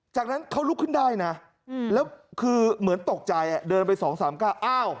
จากนั้นเขาลุกขึ้นได้นะแล้วคือเหมือนตกใจเดินไปสองสามเก้าอ้าว